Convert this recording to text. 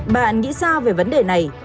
bạn nghĩ sao về vấn đề này